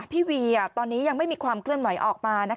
พี่เวียตอนนี้ยังไม่มีความเคลื่อนไหวออกมา